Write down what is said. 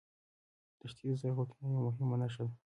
دښتې د زرغونتیا یوه مهمه نښه ده.